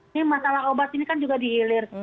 ini masalah obat ini kan juga dihilir